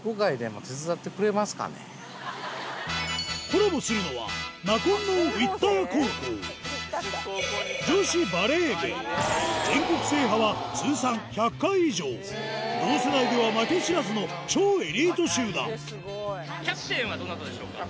コラボするのは全国制覇は通算１００回以上同世代では負け知らずの超エリート集団キャプテンはどなたでしょうか？